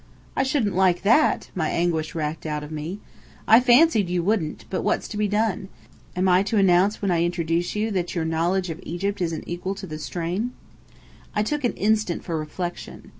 "I shouldn't like that!" my anguish racked out of me. "I fancied you wouldn't. But what's to be done? Am I to announce, when I introduce you, that your knowledge of Egypt isn't equal to the strain?" I took an instant for reflection.